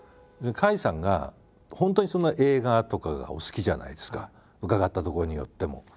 甲斐さんが本当にその映画とかがお好きじゃないですか伺ったところによっても。